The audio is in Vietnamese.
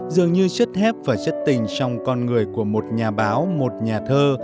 dường như chất hép và chất tình trong con người của một nhà báo một nhà thơ